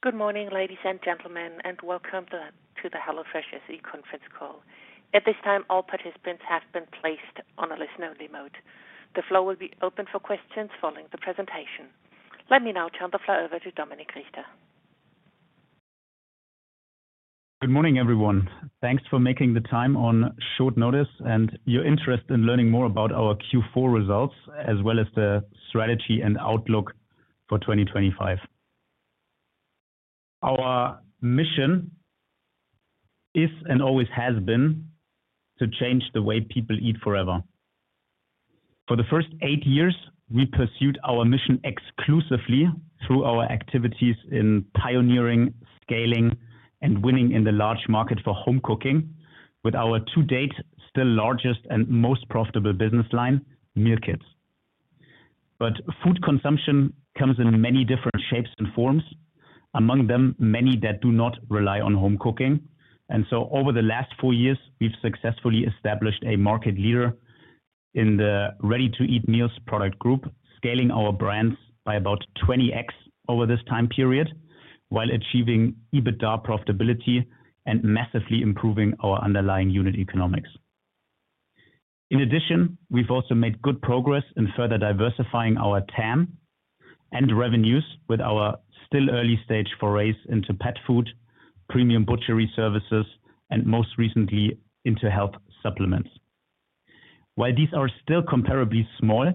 Good morning, ladies and gentlemen, and welcome to the HelloFresh SE conference call. At this time, all participants have been placed on a listen-only mode. The floor will be open for questions following the presentation. Let me now turn the floor over to Dominik Richter. Good morning, everyone. Thanks for making the time on short notice and your interest in learning more about our Q4 results, as well as the strategy and outlook for 2025. Our mission is and always has been to change the way people eat forever. For the first eight years, we pursued our mission exclusively through our activities in pioneering, scaling, and winning in the large market for home cooking with our to-date still largest and most profitable business line, Meal Kits. Food consumption comes in many different shapes and forms, among them many that do not rely on home cooking. Over the last four years, we've successfully established a market leader in the Ready-to-Eat meals product group, scaling our brands by about 20x over this time period while achieving even profitability and massively improving our underlying unit economics. In addition, we've also made good progress in further diversifying our TAM and revenues with our still early stage forays into pet food, premium butchery services, and most recently into health supplements. While these are still comparably small,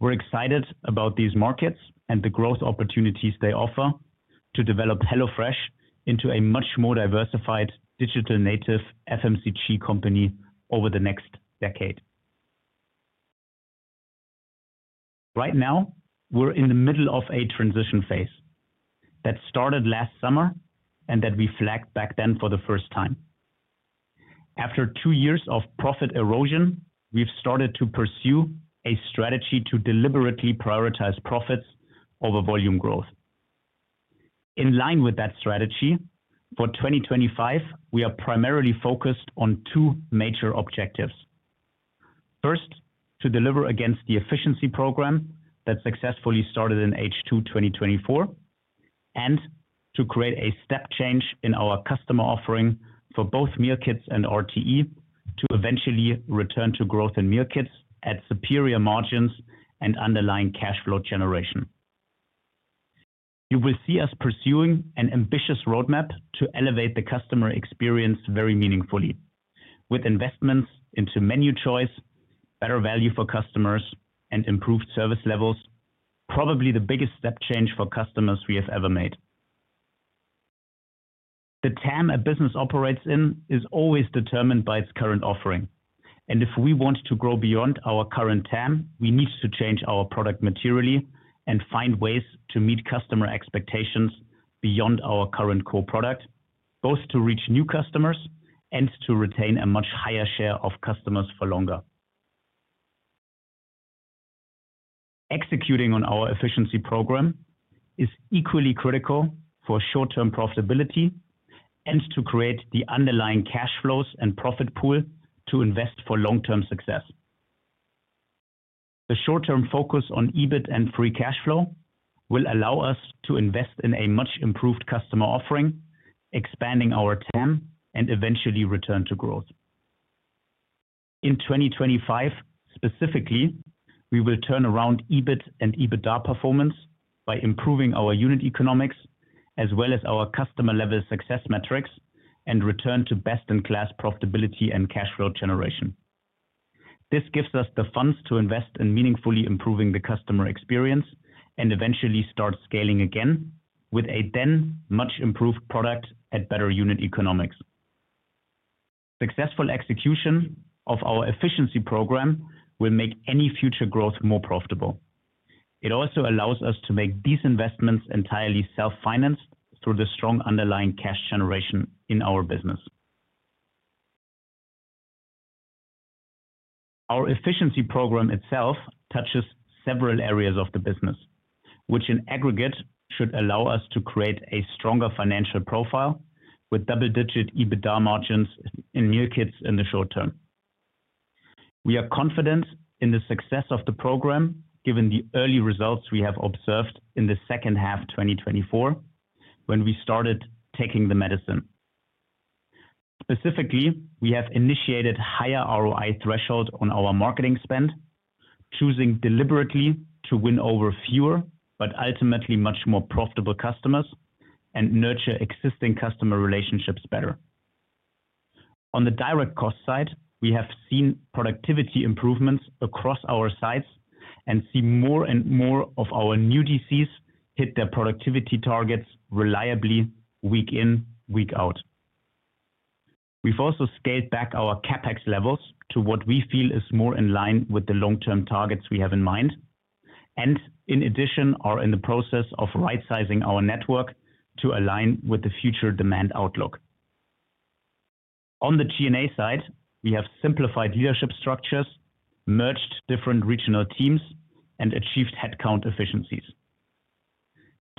we're excited about these markets and the growth opportunities they offer to develop HelloFresh into a much more diversified digital native FMCG company over the next decade. Right now, we're in the middle of a transition phase that started last summer and that we flagged back then for the first time. After two years of profit erosion, we've started to pursue a strategy to deliberately prioritize profits over volume growth. In line with that strategy, for 2025, we are primarily focused on two major objectives. First, to deliver against the efficiency program that successfully started in H2 2024, and to create a step change in our customer offering for both Meal Kits and RTE to eventually return to growth in Meal Kits at superior margins and underlying cash flow generation. You will see us pursuing an ambitious roadmap to elevate the customer experience very meaningfully, with investments into menu choice, better value for customers, and improved service levels, probably the biggest step change for customers we have ever made. The TAM a business operates in is always determined by its current offering. If we want to grow beyond our current TAM, we need to change our product materially and find ways to meet customer expectations beyond our current core product, both to reach new customers and to retain a much higher share of customers for longer. Executing on our efficiency program is equally critical for short-term profitability and to create the underlying cash flows and profit pool to invest for long-term success. The short-term focus on EBIT and free cash flow will allow us to invest in a much improved customer offering, expanding our TAM and eventually return to growth. In 2025, specifically, we will turn around EBIT and EBITDA performance by improving our unit economics as well as our customer-level success metrics and return to best-in-class profitability and cash flow generation. This gives us the funds to invest in meaningfully improving the customer experience and eventually start scaling again with a then much improved product at better unit economics. Successful execution of our efficiency program will make any future growth more profitable. It also allows us to make these investments entirely self-financed through the strong underlying cash generation in our business. Our efficiency program itself touches several areas of the business, which in aggregate should allow us to create a stronger financial profile with double-digit EBITDA margins in Meal Kits in the short term. We are confident in the success of the program given the early results we have observed in the second half of 2024 when we started taking the medicine. Specifically, we have initiated a higher ROI threshold on our marketing spend, choosing deliberately to win over fewer but ultimately much more profitable customers and nurture existing customer relationships better. On the direct cost side, we have seen productivity improvements across our sites and see more and more of our new DCs hit their productivity targets reliably week in, week out. We've also scaled back our CapEx levels to what we feel is more in line with the long-term targets we have in mind, and in addition, are in the process of right-sizing our network to align with the future demand outlook. On the G&A side, we have simplified leadership structures, merged different regional teams, and achieved headcount efficiencies.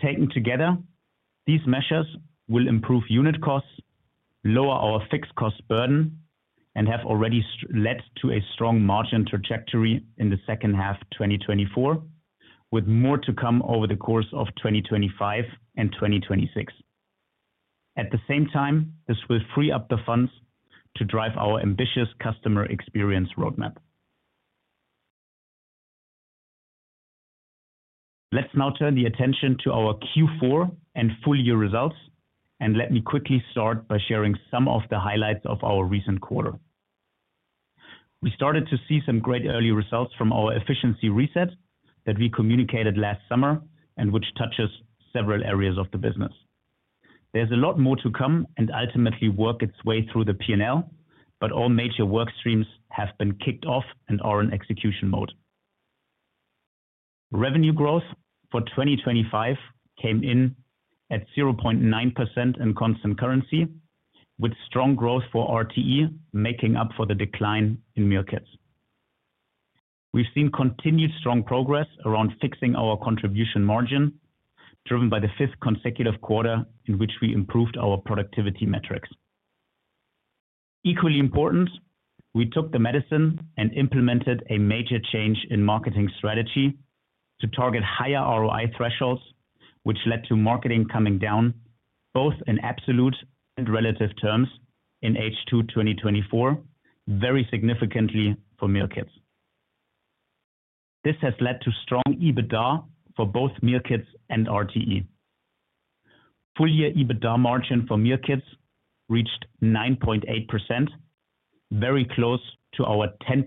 Taken together, these measures will improve unit costs, lower our fixed cost burden, and have already led to a strong margin trajectory in the second half of 2024, with more to come over the course of 2025 and 2026. At the same time, this will free up the funds to drive our ambitious customer experience roadmap. Let's now turn the attention to our Q4 and full-year results, and let me quickly start by sharing some of the highlights of our recent quarter. We started to see some great early results from our efficiency reset that we communicated last summer and which touches several areas of the business. There is a lot more to come and ultimately work its way through the P&L, but all major work streams have been kicked off and are in execution mode. Revenue growth for 2025 came in at 0.9% in constant currency, with strong growth for RTE making up for the decline in Meal Kits. We have seen continued strong progress around fixing our contribution margin, driven by the fifth consecutive quarter in which we improved our productivity metrics. Equally important, we took the medicine and implemented a major change in marketing strategy to target higher ROI thresholds, which led to marketing coming down both in absolute and relative terms in H2 2024, very significantly for Meal Kits. This has led to strong EBITDA for both Meal Kits and RTE. Full-year EBITDA margin for Meal Kits reached 9.8%, very close to our 10%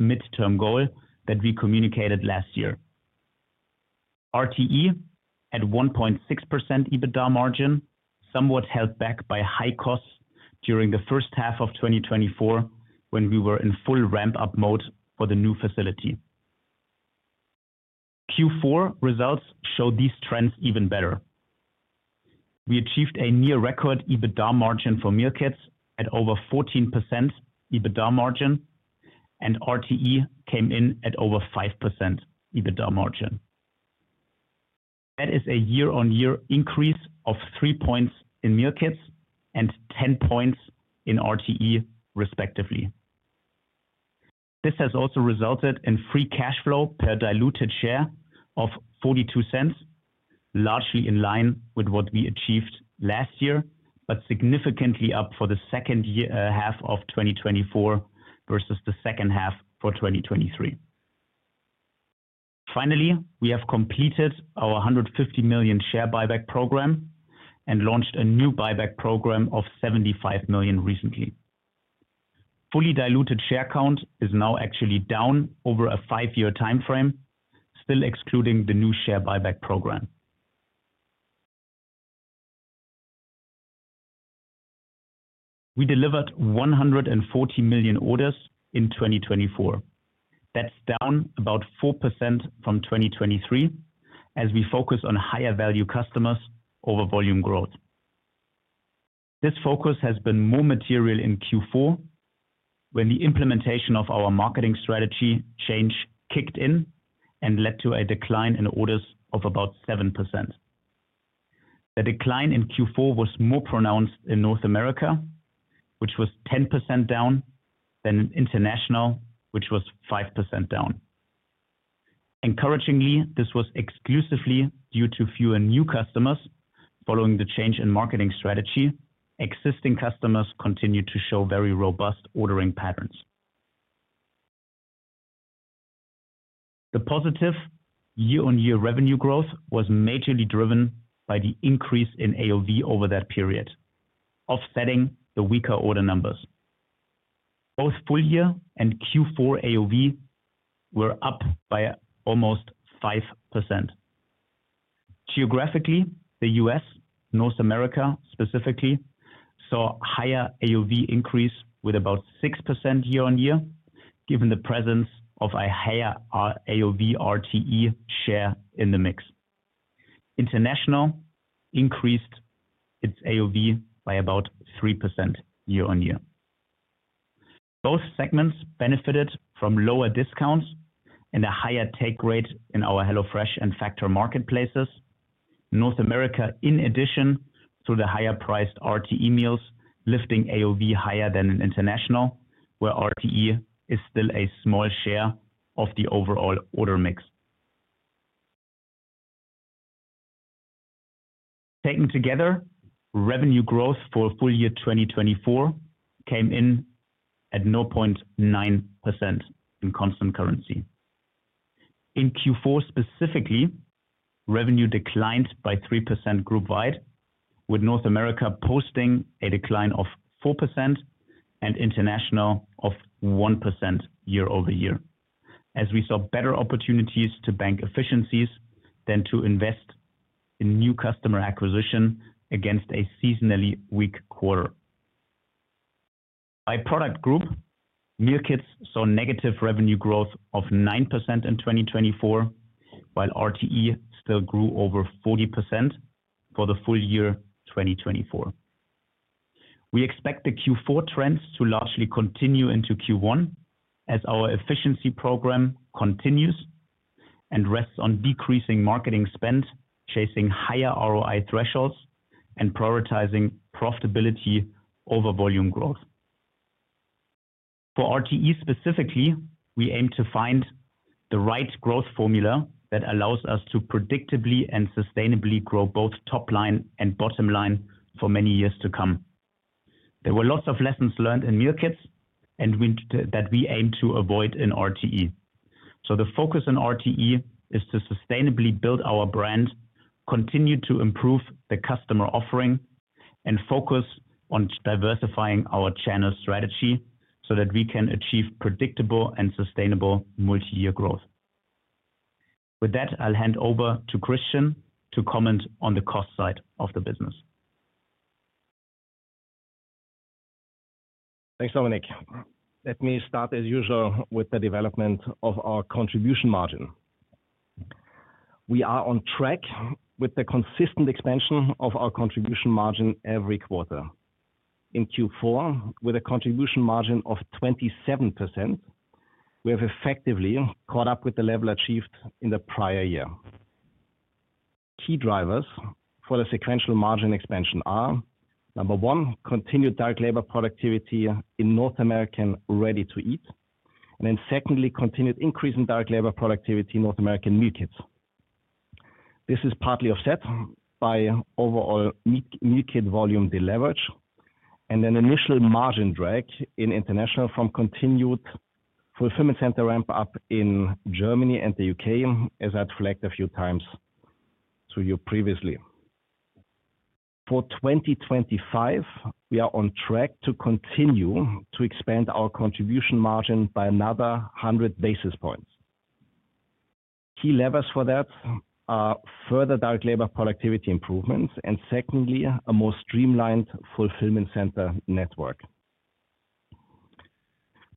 midterm goal that we communicated last year. RTE at 1.6% EBITDA margin somewhat held back by high costs during the first half of 2024 when we were in full ramp-up mode for the new facility. Q4 results show these trends even better. We achieved a near-record EBITDA margin for Meal Kits at over 14% EBITDA margin, and RTE came in at over 5% EBITDA margin. That is a year-on-year increase of three percentage points in Meal Kits and ten percentage points in RTE, respectively. This has also resulted in free cash flow per diluted share of $0.42, largely in line with what we achieved last year, but significantly up for the second half of 2024 versus the second half for 2023. Finally, we have completed our 150 million share buyback program and launched a new buyback program of 75 million recently. Fully diluted share count is now actually down over a five-year timeframe, still excluding the new share buyback program. We delivered 140 million orders in 2024. That's down about 4% from 2023 as we focus on higher value customers over volume growth. This focus has been more material in Q4 when the implementation of our marketing strategy change kicked in and led to a decline in orders of about 7%. The decline in Q4 was more pronounced in North America, which was 10% down, than in international, which was 5% down. Encouragingly, this was exclusively due to fewer new customers following the change in marketing strategy. Existing customers continued to show very robust ordering patterns. The positive year-on-year revenue growth was majorly driven by the increase in AOV over that period, offsetting the weaker order numbers. Both full-year and Q4 AOV were up by almost 5%. Geographically, the U.S., North America specifically, saw a higher AOV increase with about 6% year-on-year, given the presence of a higher AOV RTE share in the mix. International increased its AOV by about 3% year-on-year. Both segments benefited from lower discounts and a higher take rate in our HelloFresh and Factor marketplaces. North America, in addition, through the higher-priced RTE meals, lifting AOV higher than in International, where RTE is still a small share of the overall order mix. Taken together, revenue growth for full-year 2024 came in at 0.9% in constant currency. In Q4 specifically, revenue declined by 3% group-wide, with North America posting a decline of 4% and international of 1% year-over-year, as we saw better opportunities to bank efficiencies than to invest in new customer acquisition against a seasonally weak quarter. By product group, Meal Kits saw negative revenue growth of 9% in 2024, while RTE still grew over 40% for the full year 2024. We expect the Q4 trends to largely continue into Q1 as our efficiency program continues and rests on decreasing marketing spend, chasing higher ROI thresholds, and prioritizing profitability over volume growth. For RTE specifically, we aim to find the right growth formula that allows us to predictably and sustainably grow both top line and bottom line for many years to come. There were lots of lessons learned in Meal Kits that we aim to avoid in RTE. The focus on RTE is to sustainably build our brand, continue to improve the customer offering, and focus on diversifying our channel strategy so that we can achieve predictable and sustainable multi-year growth. With that, I'll hand over to Christian to comment on the cost side of the business. Thanks, Dominik. Let me start, as usual, with the development of our contribution margin. We are on track with the consistent expansion of our contribution margin every quarter. In Q4, with a contribution margin of 27%, we have effectively caught up with the level achieved in the prior year. Key drivers for the sequential margin expansion are, number one, continued direct labor productivity in North American Ready-to-Eat, and then secondly, continued increase in direct labor productivity in North American Meal Kits. This is partly offset by overall Meal Kit volume deleverage and an initial margin drag in international from continued fulfillment center ramp-up in Germany and the U.K., as I've flagged a few times to you previously. For 2025, we are on track to continue to expand our contribution margin by another 100 basis points. Key levers for that are further direct labor productivity improvements and, secondly, a more streamlined fulfillment center network.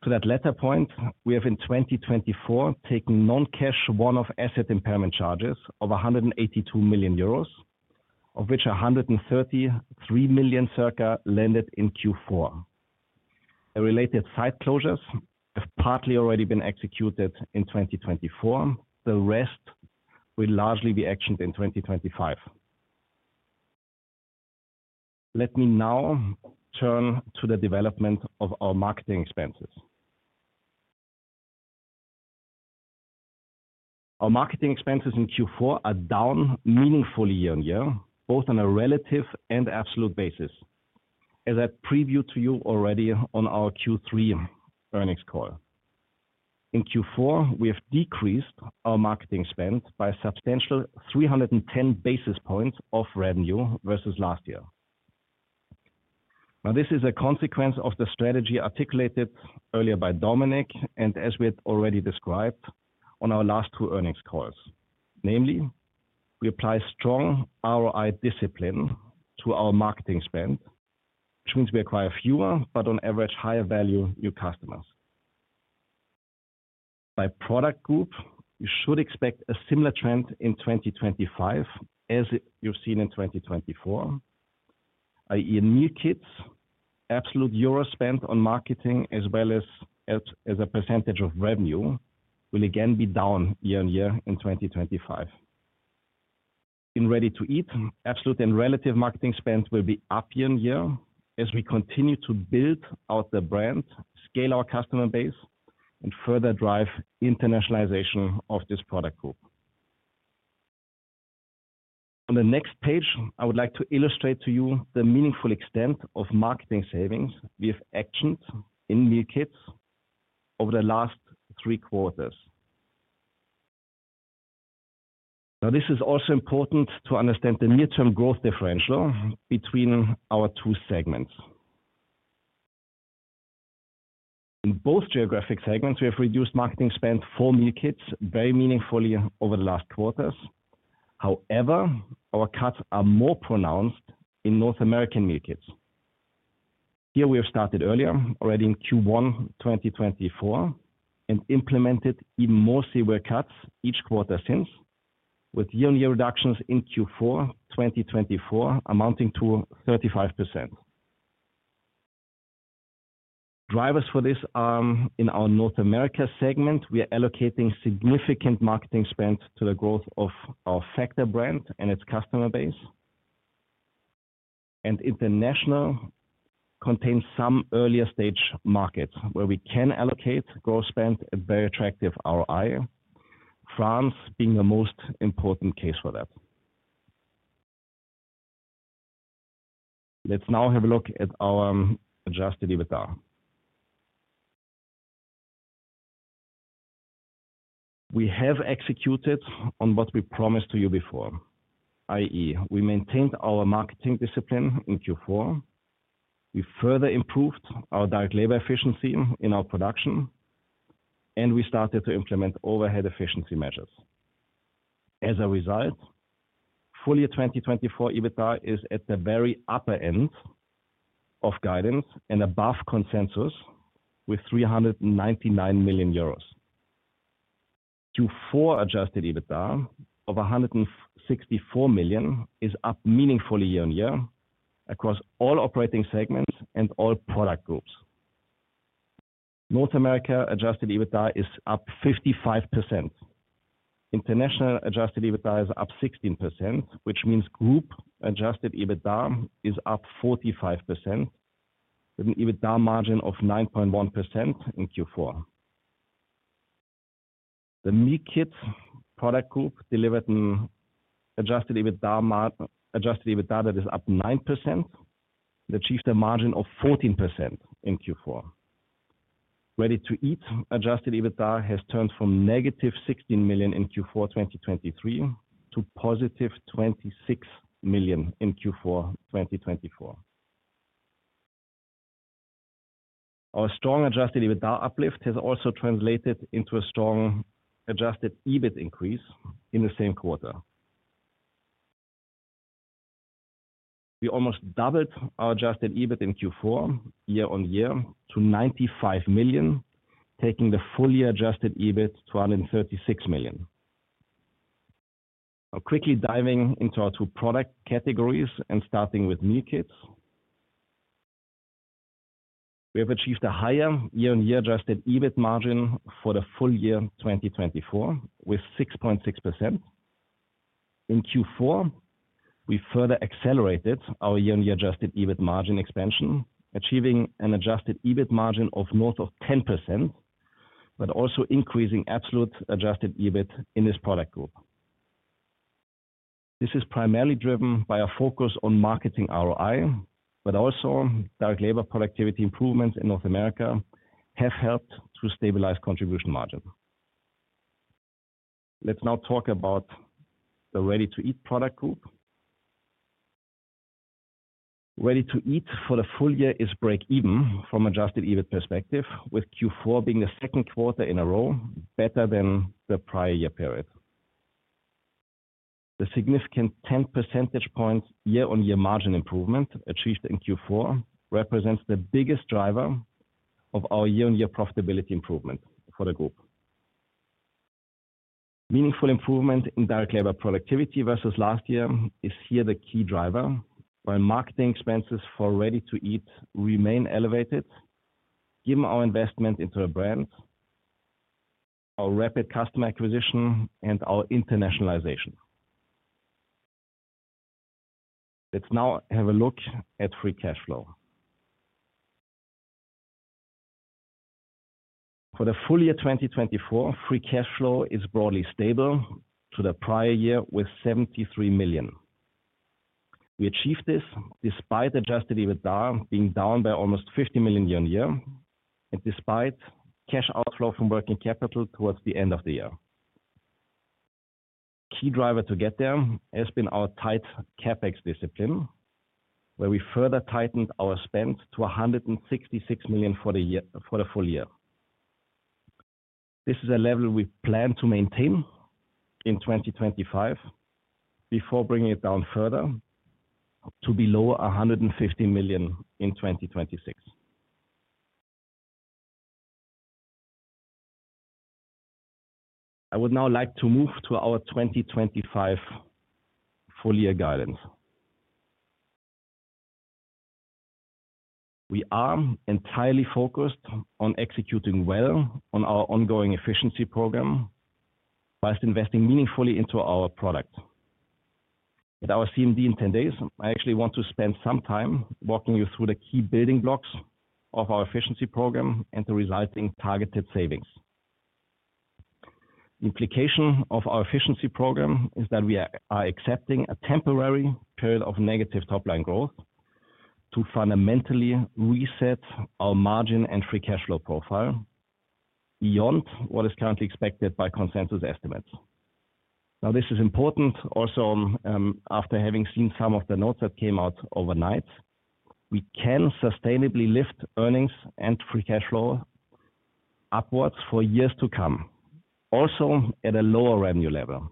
To that latter point, we have in 2024 taken non-cash one-off asset impairment charges of 182 million euros, of which 133 million circa landed in Q4. The related site closures have partly already been executed in 2024. The rest will largely be actioned in 2025. Let me now turn to the development of our marketing expenses. Our marketing expenses in Q4 are down meaningfully year-on-year, both on a relative and absolute basis, as I previewed to you already on our Q3 earnings call. In Q4, we have decreased our marketing spend by a substantial 310 basis points of revenue versus last year. Now, this is a consequence of the strategy articulated earlier by Dominik and, as we had already described on our last two earnings calls. Namely, we apply strong ROI discipline to our marketing spend, which means we acquire fewer but, on average, higher-value new customers. By product group, you should expect a similar trend in 2025, as you've seen in 2024. I.e., in Meal Kits, absolute euro spend on marketing, as well as a percentage of revenue, will again be down year-on-year in 2025. In Ready-to-Eat, absolute and relative marketing spend will be up year-on-year as we continue to build out the brand, scale our customer base, and further drive internationalization of this product group. On the next page, I would like to illustrate to you the meaningful extent of marketing savings we have actioned in Meal Kits over the last three quarters. Now, this is also important to understand the near-term growth differential between our two segments. In both geographic segments, we have reduced marketing spend for Meal Kits very meaningfully over the last quarters. However, our cuts are more pronounced in North American Meal Kits. Here, we have started earlier, already in Q1 2024, and implemented even more severe cuts each quarter since, with year-on-year reductions in Q4 2024 amounting to 35%. Drivers for this are in our North America segment. We are allocating significant marketing spend to the growth of our Factor brand and its customer base. International contains some earlier-stage markets where we can allocate growth spend at very attractive ROI, France being the most important case for that. Let's now have a look at our Adjusted EBITDA. We have executed on what we promised to you before, i.e., we maintained our marketing discipline in Q4. We further improved our direct labor efficiency in our production, and we started to implement overhead efficiency measures. As a result, full-year 2024 EBITDA is at the very upper end of guidance and above consensus with 399 million euros. Q4 Adjusted EBITDA of 164 million is up meaningfully year-on-year across all operating segments and all product groups. North America Adjusted EBITDA is up 55%. International Adjusted EBITDA is up 16%, which means group Adjusted EBITDA is up 45%, with an EBITDA margin of 9.1% in Q4. The Meal Kit product group delivered an Adjusted EBITDA that is up 9% and achieved a margin of 14% in Q4. Ready-to-Eat Adjusted EBITDA has turned from negative 16 million in Q4 2023 to positive 26 million in Q4 2024. Our strong Adjusted EBITDA uplift has also translated into a strong adjusted EBIT increase in the same quarter. We almost doubled our adjusted EBIT in Q4 year-on-year to 95 million, taking the full-year adjusted EBIT to 136 million. Now, quickly diving into our two product categories and starting with Meal Kits, we have achieved a higher year-on-year adjusted EBIT margin for the full year 2024 with 6.6%. In Q4, we further accelerated our year-on-year adjusted EBIT margin expansion, achieving an adjusted EBIT margin of north of 10%, but also increasing absolute adjusted EBIT in this product group. This is primarily driven by a focus on marketing ROI, but also direct labor productivity improvements in North America have helped to stabilize contribution margin. Let's now talk about the Ready-to-Eat product group. Ready-to-Eat for the full year is break-even from an adjusted EBIT perspective, with Q4 being the second quarter in a row better than the prior year period. The significant 10 percentage points year-on-year margin improvement achieved in Q4 represents the biggest driver of our year-on-year profitability improvement for the group. Meaningful improvement in direct labor productivity versus last year is here the key driver, while marketing expenses for Ready-to-Eat remain elevated, given our investment into a brand, our rapid customer acquisition, and our internationalization. Let's now have a look at free cash flow. For the full year 2024, free cash flow is broadly stable to the prior year with 73 million. We achieved this despite Adjusted EBITDA being down by almost 50 million year-on-year and despite cash outflow from working capital towards the end of the year. A key driver to get there has been our tight CapEx discipline, where we further tightened our spend to 166 million for the full year. This is a level we plan to maintain in 2025 before bringing it down further to below 150 million in 2026. I would now like to move to our 2025 full-year guidance. We are entirely focused on executing well on our ongoing efficiency program by investing meaningfully into our product. At our CMD in 10 days, I actually want to spend some time walking you through the key building blocks of our efficiency program and the resulting targeted savings. The implication of our efficiency program is that we are accepting a temporary period of negative top-line growth to fundamentally reset our margin and free cash flow profile beyond what is currently expected by consensus estimates. Now, this is important also after having seen some of the notes that came out overnight. We can sustainably lift earnings and free cash flow upwards for years to come, also at a lower revenue level.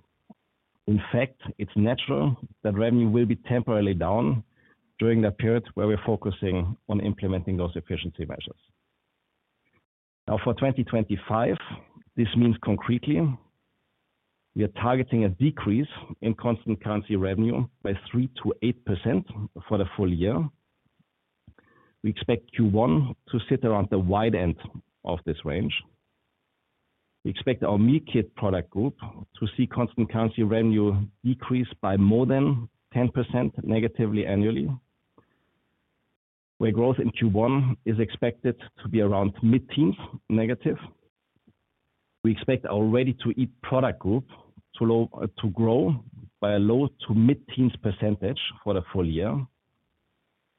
In fact, it's natural that revenue will be temporarily down during that period where we're focusing on implementing those efficiency measures. Now, for 2025, this means concretely we are targeting a decrease in constant currency revenue by 3%-8% for the full year. We expect Q1 to sit around the wide end of this range. We expect our Meal Kit product group to see constant currency revenue decrease by more than 10% negatively annually, where growth in Q1 is expected to be around mid-teens negative. We expect our Ready-to-Eat product group to grow by a low to mid-teens percentage for the full year,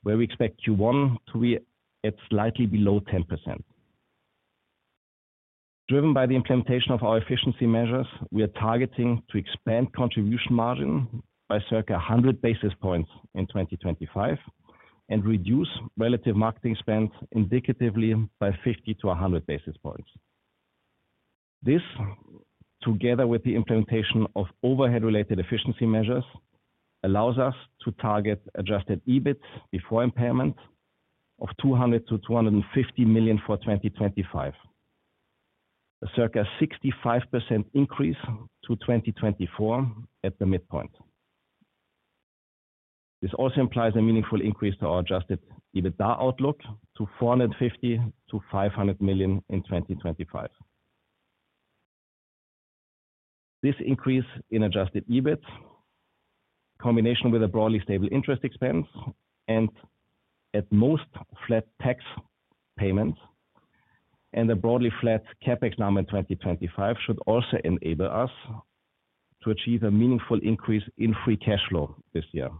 where we expect Q1 to be at slightly below 10%. Driven by the implementation of our efficiency measures, we are targeting to expand contribution margin by circa 100 basis points in 2025 and reduce relative marketing spend indicatively by 50-100 basis points. This, together with the implementation of overhead-related efficiency measures, allows us to target adjusted EBIT before impairment of 200 million-250 million for 2025, a circa 65% increase to 2024 at the midpoint. This also implies a meaningful increase to our Adjusted EBITDA outlook to 450 million-500 million in 2025. This increase in adjusted EBIT, combination with a broadly stable interest expense and at most flat tax payment, and a broadly flat CapEx number in 2025 should also enable us to achieve a meaningful increase in free cash flow this year.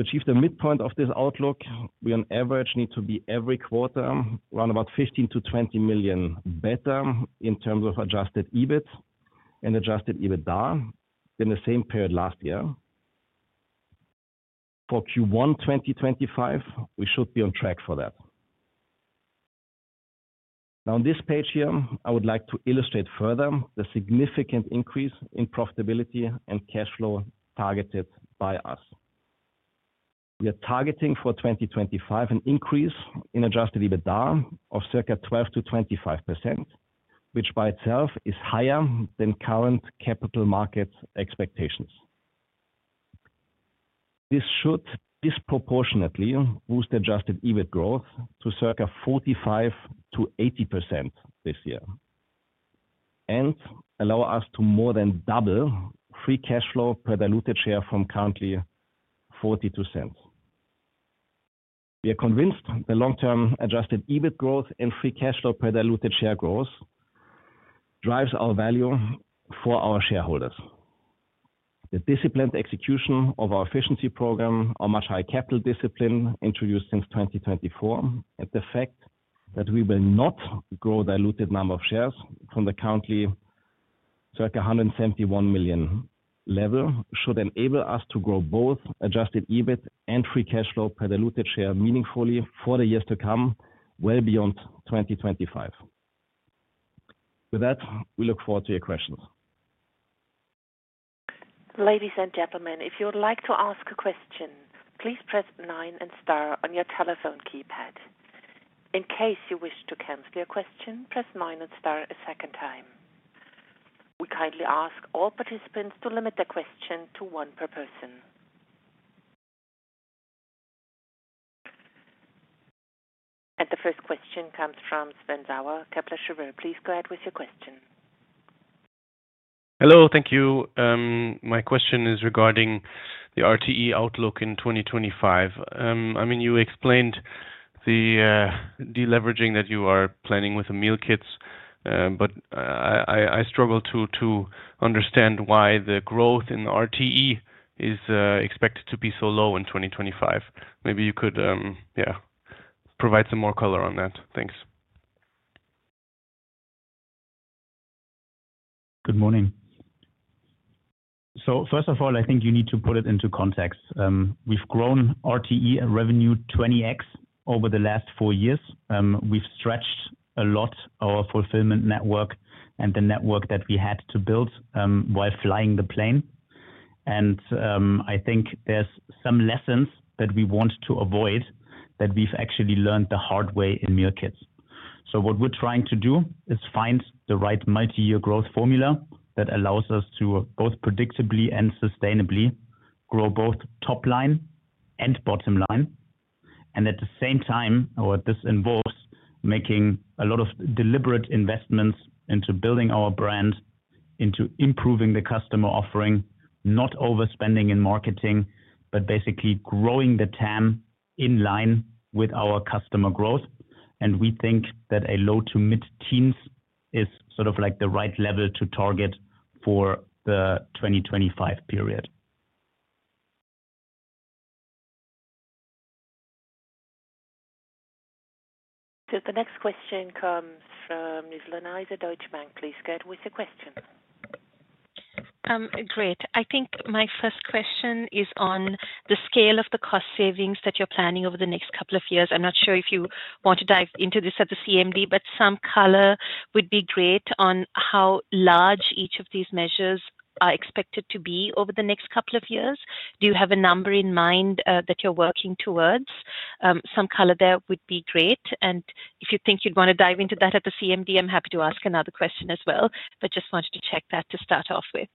To achieve the midpoint of this outlook, we on average need to be every quarter around about 15 million-20 million better in terms of adjusted EBIT and Adjusted EBITDA than the same period last year. For Q1 2025, we should be on track for that. Now, on this page here, I would like to illustrate further the significant increase in profitability and cash flow targeted by us. We are targeting for 2025 an increase in Adjusted EBITDA of circa 12%-25%, which by itself is higher than current capital market expectations. This should disproportionately boost adjusted EBIT growth to circa 45%-80% this year and allow us to more than double free cash flow per diluted share from currently 40%. We are convinced the long-term adjusted EBIT growth and free cash flow per diluted share growth drives our value for our shareholders. The disciplined execution of our efficiency program, our much higher capital discipline introduced since 2024, and the fact that we will not grow diluted number of shares from the currently circa 171 million level should enable us to grow both adjusted EBIT and free cash flow per diluted share meaningfully for the years to come well beyond 2025. With that, we look forward to your questions. Ladies and gentlemen, if you would like to ask a question, please press 9 and star on your telephone keypad. In case you wish to cancel your question, press 9 and star a second time. We kindly ask all participants to limit their question to one per person. The first question comes from Sven Sauer, Kepler Cheuvreux. Please go ahead with your question. Hello, thank you. My question is regarding the RTE outlook in 2025. I mean, you explained the deleveraging that you are planning with the Meal Kits, but I struggle to understand why the growth in RTE is expected to be so low in 2025. Maybe you could, yeah, provide some more color on that. Thanks. Good morning. First of all, I think you need to put it into context. We've grown RTE revenue 20x over the last four years. We've stretched a lot our fulfillment network and the network that we had to build while flying the plane. I think there's some lessons that we want to avoid that we've actually learned the hard way in Meal Kits. What we're trying to do is find the right multi-year growth formula that allows us to both predictably and sustainably grow both top-line and bottom-line. At the same time, this involves making a lot of deliberate investments into building our brand, into improving the customer offering, not overspending in marketing, but basically growing the TAM in line with our customer growth. We think that a low to mid-teens is sort of like the right level to target for the 2025 period. The next question comes from Nizla Naizer, Deutsche Bank. Please go ahead with the question. Great. I think my first question is on the scale of the cost savings that you're planning over the next couple of years. I'm not sure if you want to dive into this at the CMD, but some color would be great on how large each of these measures are expected to be over the next couple of years. Do you have a number in mind that you're working towards? Some color there would be great. If you think you'd want to dive into that at the CMD, I'm happy to ask another question as well, just wanted to check that to start off with.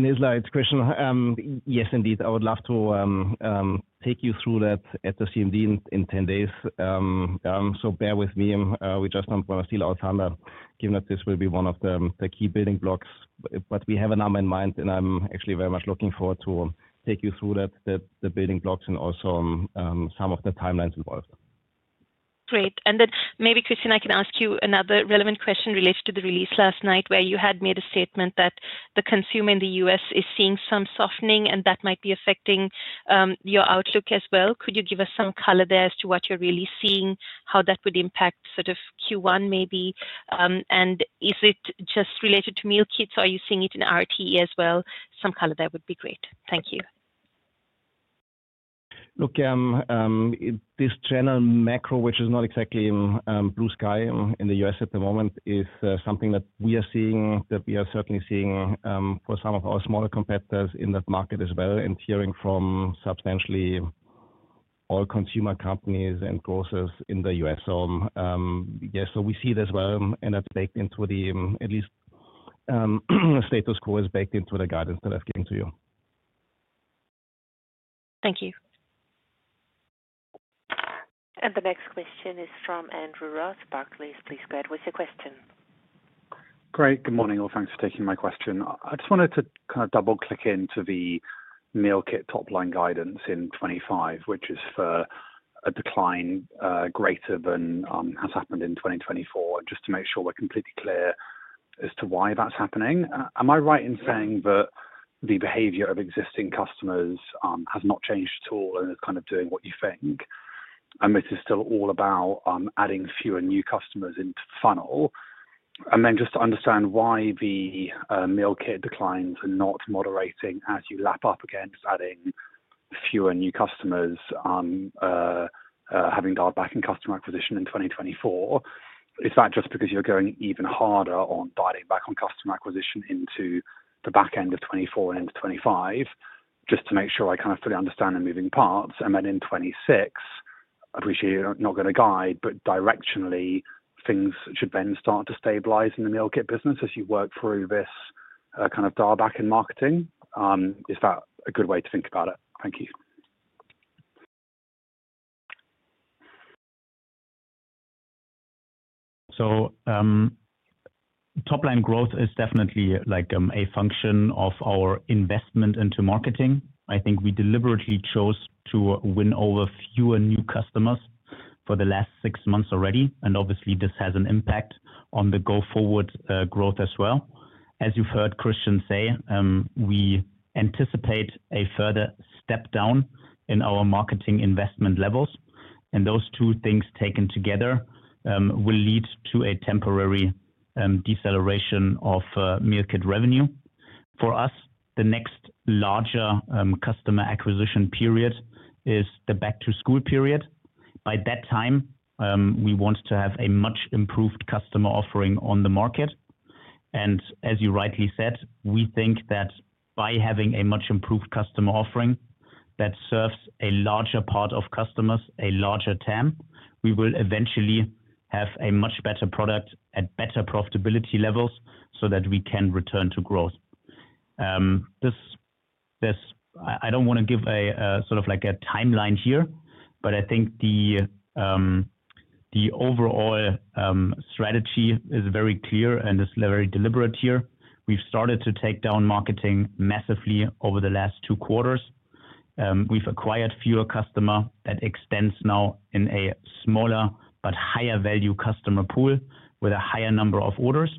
This is the question. Yes, indeed. I would love to take you through that at the CMD in 10 days. Bear with me. We just don't want to steal our thunder, given that this will be one of the key building blocks. We have a number in mind, and I'm actually very much looking forward to take you through the building blocks and also some of the timelines involved. Great. Maybe, Christian, I can ask you another relevant question related to the release last night, where you had made a statement that the consumer in the US is seeing some softening, and that might be affecting your outlook as well. Could you give us some color there as to what you're really seeing, how that would impact sort of Q1 maybe? Is it just related to Meal Kits? Are you seeing it in RTE as well? Some color there would be great. Thank you. Look, this general macro, which is not exactly blue sky in the U.S. at the moment, is something that we are seeing, that we are certainly seeing for some of our smaller competitors in that market as well, and hearing from substantially all consumer companies and growths in the U.S. Yes, we see it as well, and that's baked into the, at least status quo is baked into the guidance that I've given to you. Thank you. The next question is from Andrew Ross, Barclays. Please go ahead with the question. Great. Good morning. Thanks for taking my question. I just wanted to kind of double-click into the Meal Kit top-line guidance in 2025, which is for a decline greater than has happened in 2024, just to make sure we're completely clear as to why that's happening. Am I right in saying that the behavior of existing customers has not changed at all and is kind of doing what you think, and this is still all about adding fewer new customers into the funnel? Just to understand why the Meal Kit declines are not moderating as you lap up against adding fewer new customers, having dialed back in customer acquisition in 2024. Is that just because you're going even harder on dialing back on customer acquisition into the back end of 2024 and into 2025? Just to make sure I kind of fully understand the moving parts. In 2026, I appreciate you're not going to guide, but directionally, things should then start to stabilize in the Meal Kit business as you work through this kind of dial-back in marketing. Is that a good way to think about it? Thank you. Top-line growth is definitely a function of our investment into marketing. I think we deliberately chose to win over fewer new customers for the last six months already. Obviously, this has an impact on the go-forward growth as well. As you have heard Christian say, we anticipate a further step down in our marketing investment levels. Those two things taken together will lead to a temporary deceleration of Meal Kit revenue. For us, the next larger customer acquisition period is the back-to-school period. By that time, we want to have a much improved customer offering on the market. As you rightly said, we think that by having a much improved customer offering that serves a larger part of customers, a larger TAM, we will eventually have a much better product at better profitability levels so that we can return to growth. I don't want to give a sort of like a timeline here, but I think the overall strategy is very clear and is very deliberate here. We've started to take down marketing massively over the last two quarters. We've acquired fewer customers. That extends now in a smaller but higher-value customer pool with a higher number of orders.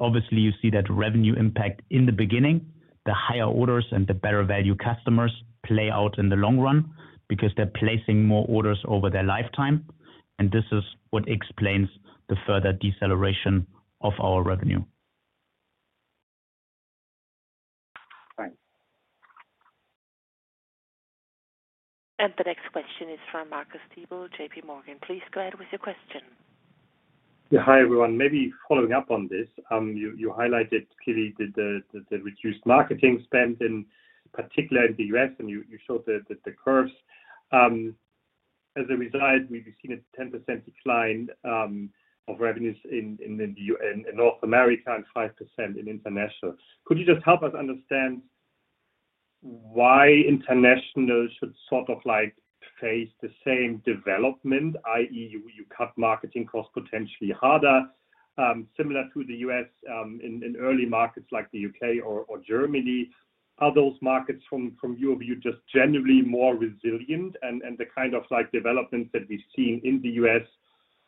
Obviously, you see that revenue impact in the beginning, the higher orders and the better-value customers play out in the long run because they're placing more orders over their lifetime. This is what explains the further deceleration of our revenue. The next question is from Marcus Diebel, JPMorgan. Please go ahead with your question. Yeah. Hi, everyone. Maybe following up on this, you highlighted clearly the reduced marketing spend, in particular in the U.S., and you showed the curves. As a result, we've seen a 10% decline of revenues in North America and 5% in international. Could you just help us understand why international should sort of face the same development, i.e., you cut marketing costs potentially harder, similar to the U.S. in early markets like the U.K. or Germany? Are those markets, from your view, just generally more resilient? And the kind of developments that we've seen in the U.S.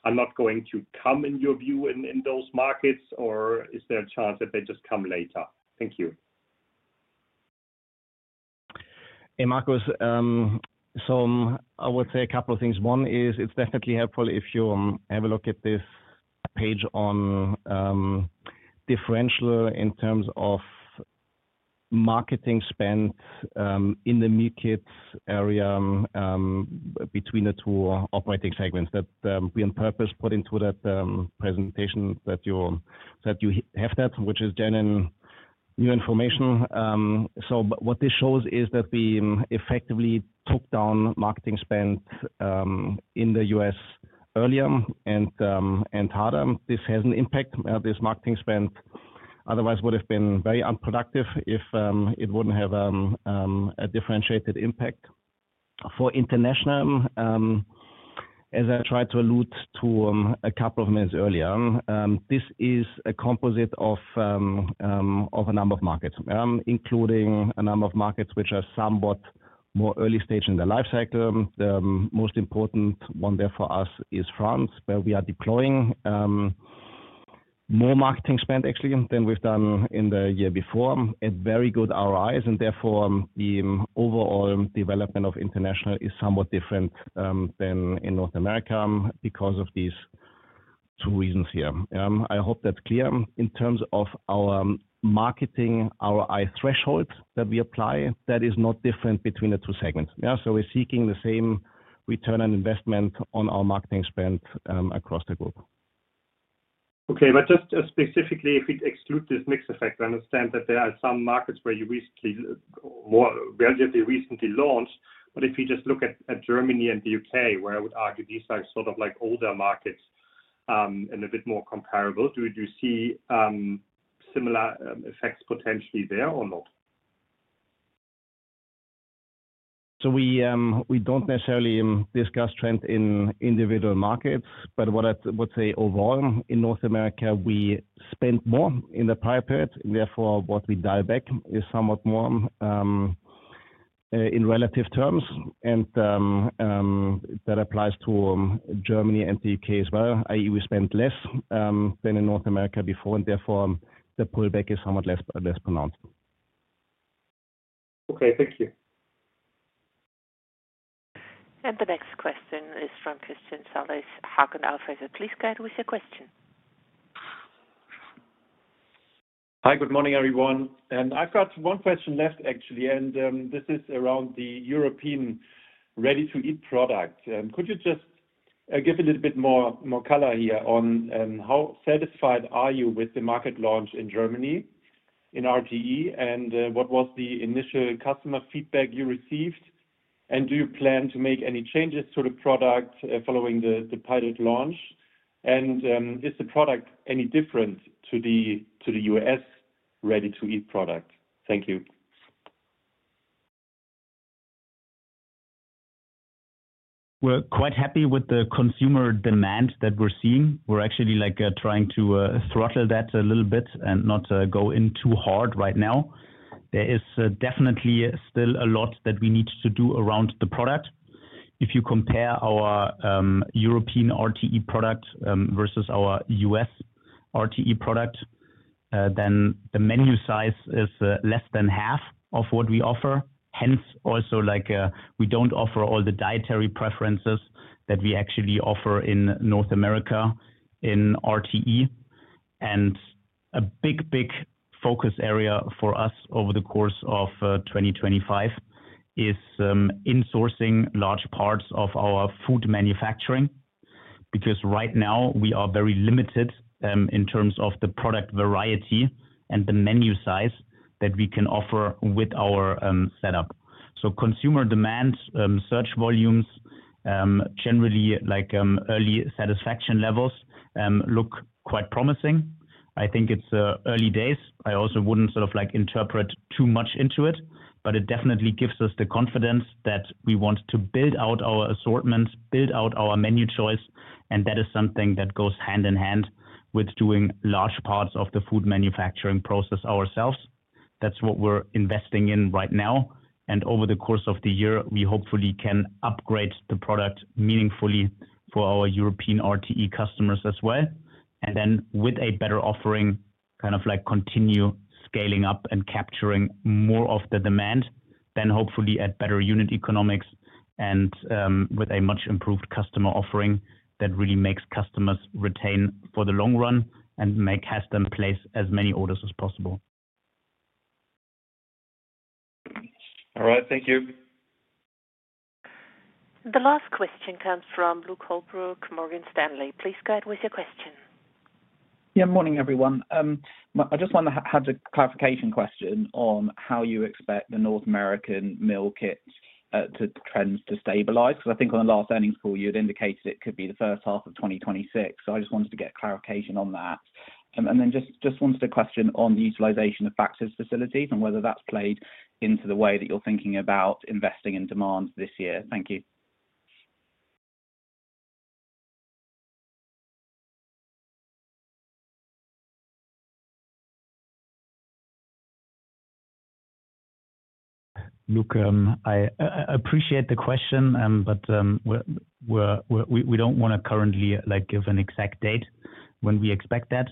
are not going to come, in your view, in those markets, or is there a chance that they just come later? Thank you. Hey, Marcus. I would say a couple of things. One is it's definitely helpful if you have a look at this page on differential in terms of marketing spend in the Meal Kits area between the two operating segments that we on purpose put into that presentation that you have that, which is genuine new information. What this shows is that we effectively took down marketing spend in the US earlier and harder. This has an impact. This marketing spend otherwise would have been very unproductive if it wouldn't have a differentiated impact. For international, as I tried to allude to a couple of minutes earlier, this is a composite of a number of markets, including a number of markets which are somewhat more early stage in the life cycle. The most important one there for us is France, where we are deploying more marketing spend, actually, than we've done in the year before, at very good ROIs. Therefore, the overall development of international is somewhat different than in North America because of these two reasons here. I hope that's clear. In terms of our marketing ROI threshold that we apply, that is not different between the two segments. We're seeking the same return on investment on our marketing spend across the group. Okay. Just specifically, if we exclude this mixed effect, I understand that there are some markets where you relatively recently launched. If you just look at Germany and the U.K., where I would argue these are sort of like older markets and a bit more comparable, do you see similar effects potentially there or not? We do not necessarily discuss trends in individual markets, but I would say overall, in North America, we spent more in the prior period. Therefore, what we dial back is somewhat more in relative terms. That applies to Germany and the U.K. as well, i.e., we spent less than in North America before. Therefore, the pullback is somewhat less pronounced. Thank you. The next question is from Christian Salis. Hauck & Aufhäuser? Please go ahead with your question. Hi, good morning, everyone. I've got one question left, actually. This is around the European Ready-to-Eat product. Could you just give a little bit more color here on how satisfied are you with the market launch in Germany in RTE? What was the initial customer feedback you received? Do you plan to make any changes to the product following the pilot launch? Is the product any different to the U.S. Ready-to-Eat product? Thank you. We're quite happy with the consumer demand that we're seeing. We're actually trying to throttle that a little bit and not go in too hard right now. There is definitely still a lot that we need to do around the product. If you compare our European RTE product versus our US RTE product, then the menu size is less than half of what we offer. Hence, also we don't offer all the dietary preferences that we actually offer in North America in RTE. A big, big focus area for us over the course of 2025 is insourcing large parts of our food manufacturing because right now we are very limited in terms of the product variety and the menu size that we can offer with our setup. Consumer demand, search volumes, generally early satisfaction levels look quite promising. I think it's early days. I also would not sort of interpret too much into it, but it definitely gives us the confidence that we want to build out our assortment, build out our menu choice. That is something that goes hand in hand with doing large parts of the food manufacturing process ourselves. That is what we are investing in right now. Over the course of the year, we hopefully can upgrade the product meaningfully for our European RTE customers as well. With a better offering, kind of continue scaling up and capturing more of the demand, then hopefully at better unit economics and with a much improved customer offering that really makes customers retain for the long run and has them place as many orders as possible. All right. Thank you. The last question comes from Luke Holbrook, Morgan Stanley. Please go ahead with your question. Yeah. Morning, everyone. I just want to have a clarification question on how you expect the North American Meal Kit trends to stabilize because I think on the last earnings call, you had indicated it could be the first half of 2026. I just wanted to get clarification on that. I just wanted a question on the utilization of back-of-house facilities and whether that's played into the way that you're thinking about investing in demand this year. Thank you. Look, I appreciate the question, but we don't want to currently give an exact date when we expect that.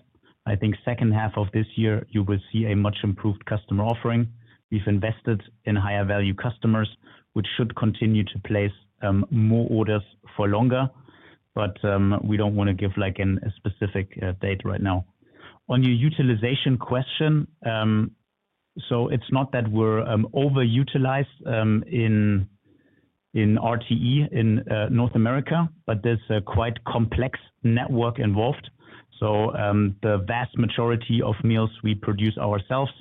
I think second half of this year, you will see a much improved customer offering. We've invested in higher-value customers, which should continue to place more orders for longer. We don't want to give a specific date right now. On your utilization question, it is not that we're over-utilized in RTE in North America, but there's a quite complex network involved. The vast majority of meals we produce ourselves,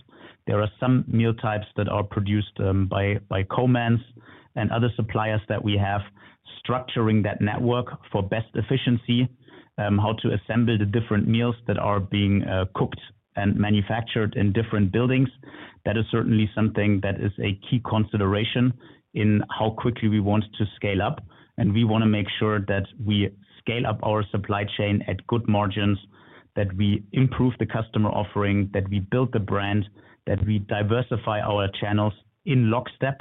there are some meal types that are produced by co-mans and other suppliers that we have, structuring that network for best efficiency, how to assemble the different meals that are being cooked and manufactured in different buildings. That is certainly something that is a key consideration in how quickly we want to scale up. We want to make sure that we scale up our supply chain at good margins, that we improve the customer offering, that we build the brand, that we diversify our channels in lockstep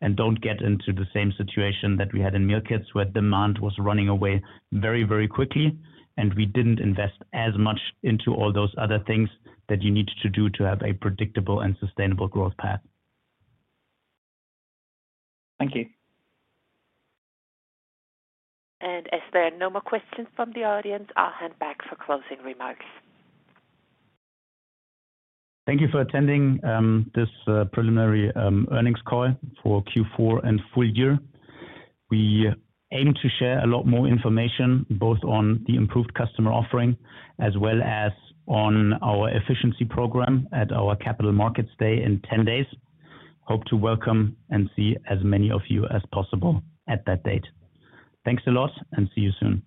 and do not get into the same situation that we had in Meal Kits where demand was running away very, very quickly. We did not invest as much into all those other things that you need to do to have a predictable and sustainable growth path. Thank you. If there are no more questions from the audience, I will hand back for closing remarks. Thank you for attending this preliminary earnings call for Q4 and full year. We aim to share a lot more information both on the improved customer offering as well as on our efficiency program at our capital markets day in 10 days. Hope to welcome and see as many of you as possible at that date. Thanks a lot and see you soon.